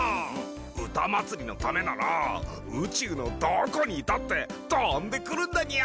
「うたまつり」のためならうちゅうのどこにいたってとんでくるんだニャ！